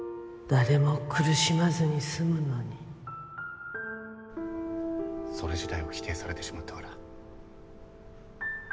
誰も苦しまずにすむのにそれ自体を否定されてしまったから。